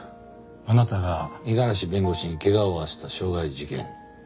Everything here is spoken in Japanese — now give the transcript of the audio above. あなたが五十嵐弁護士に怪我を負わせた傷害事件。